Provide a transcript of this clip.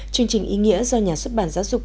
chương trình ý nghĩa do nhà xuất bản giáo dục